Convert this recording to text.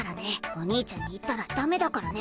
お兄ちゃんに言ったらダメだからね。